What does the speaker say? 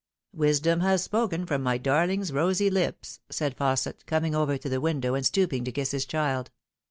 " Wisdom has spoken from my darling's rosy lips," said Faus set, coming over to the window and stooping to kiss his child.